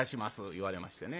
言われましてね。